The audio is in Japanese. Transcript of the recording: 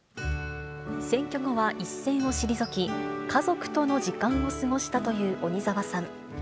選挙後は一線を退き、家族との時間を過ごしたという鬼澤さん。